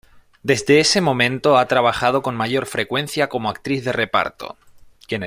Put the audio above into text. Desde ese momento ha trabajado con mayor frecuencia como actriz de reparto.